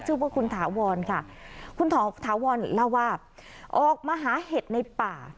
ชื่อว่าคุณถาวรค่ะคุณถาวรเล่าว่าออกมาหาเห็ดในป่า